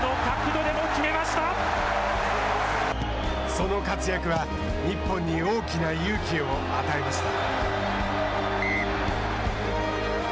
その活躍は日本に大きな勇気を与えました。